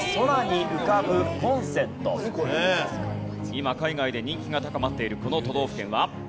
今海外で人気が高まっているこの都道府県は？